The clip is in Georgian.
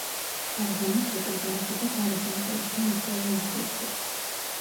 ავღანეთს ეკრძალებოდა გარესამყაროსთან უშუალო ურთიერთობა.